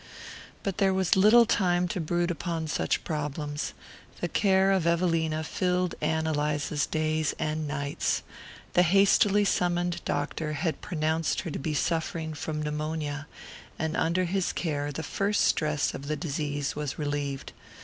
But there was little time to brood upon such problems. The care of Evelina filled Ann Eliza's days and nights. The hastily summoned doctor had pronounced her to be suffering from pneumonia, and under his care the first stress of the disease was relieved.